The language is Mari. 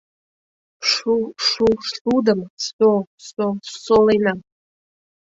Шу-шу-шудым со-со-солена...